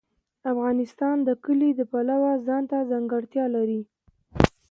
افغانستان د کلي د پلوه ځانته ځانګړتیا لري.